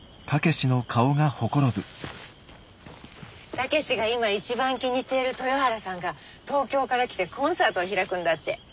武志が今一番気に入っている豊原さんが東京から来てコンサートを開くんだって。